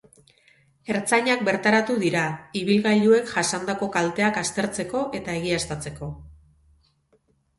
Ertzainak bertaratu dira, ibilgailuek jasandako kalteak aztertzeko eta egiaztatzeko.